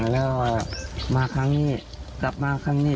แล้วมาข้างนี้จับมาข้างนี้